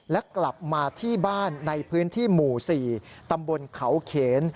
และกลับมาที่บ้านในพื้นที่หมู่๔ตำบลเขาเขน